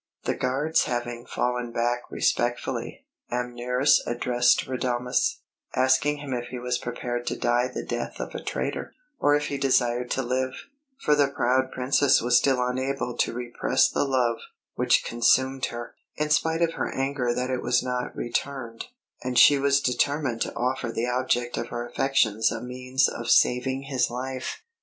The guards having fallen back respectfully, Amneris addressed Radames, asking him if he was prepared to die the death of a traitor, or if he desired to live; for the proud Princess was still unable to repress the love which consumed her, in spite of her anger that it was not returned, and she was determined to offer the object of her affections a means of saving his life.